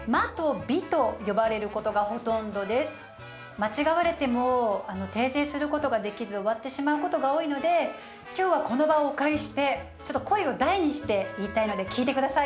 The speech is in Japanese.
間違われても訂正することができず終わってしまうことが多いので今日はこの場をお借りしてちょっと声を大にして言いたいので聞いて下さい。